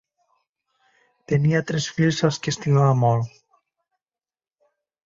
Tenia tres fills als qui estimava molt.